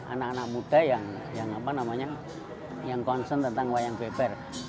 anak anak muda yang apa namanya yang konsen tentang wayang beber